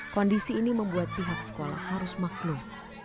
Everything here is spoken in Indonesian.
kondisi ini membuat pihak sekolah harus maklum